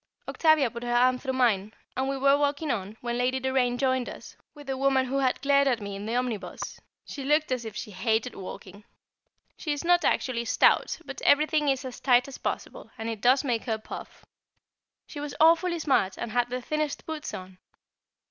Octavia put her arm through mine, and we were walking on, when Lady Doraine joined us, with the woman who had glared at me in the omnibus. She looked as if she hated walking. She is not actually stout, but everything is as tight as possible, and it does make her puff. She was awfully smart, and had the thinnest boots on.